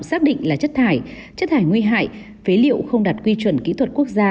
xác định là chất thải chất thải nguy hại phế liệu không đạt quy chuẩn kỹ thuật quốc gia